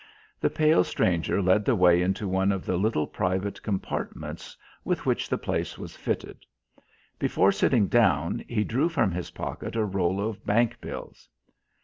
The pale stranger led the way into one of the little private compartments with which the place was fitted. Before sitting down he drew from his pocket a roll of bank bills.